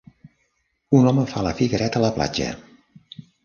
Un home fa la figuereta a la platja.